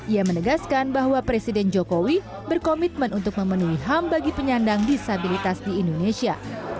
ia menegaskan bahwa presiden jokowi berkomitmen untuk memenuhi ham bagi penyandang disabilitas di indonesia